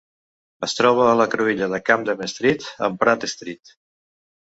Es troba a la cruïlla de Camden Street amb Pratt Street.